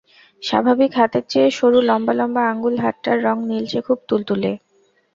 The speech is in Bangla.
স্বাভাবিক হাতের চেয়ে সরু-লম্বা-লম্বা আঙুল হাতটার রঙ নীলচে-খুব তুলতুলে।